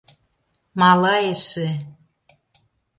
Мала эше.